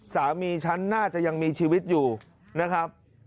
สามีฉันน่าจะยังมีชีวิตอยู่นะครับ